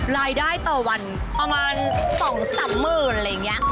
รายได้ต่อวันประมาณ๒๓หมื่นอะไรอย่างนี้